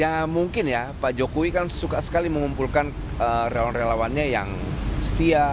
ya mungkin ya pak jokowi kan suka sekali mengumpulkan relawan relawannya yang setia